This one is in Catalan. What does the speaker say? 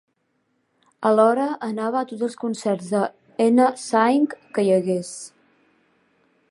Alhora anava a tots els concerts de 'N Sync que hi hagués.